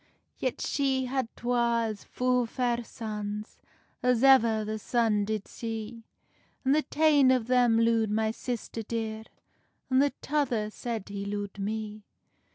"Yet she had twa as fu fair sons As ever the sun did see, An the tane of them lood my sister dear, An the tother said he lood me."